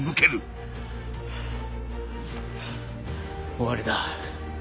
終わりだ。